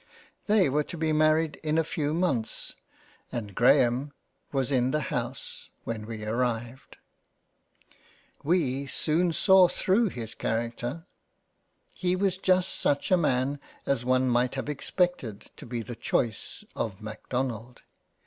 They were to be married in a few months, and Graham, was in the House when we arrived. We soon saw through his character. He was just such a Man as one might have expected to be the choice of Macdonald.